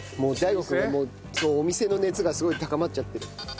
ＤＡＩＧＯ君がもうお店の熱がすごい高まっちゃってる。